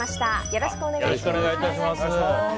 よろしくお願いします。